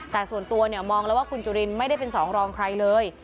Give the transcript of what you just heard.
แต่ส่วนตัวเนี่ยมองแล้วว่าคุณจุรินไม่ได้เป็นสองรองใครเลย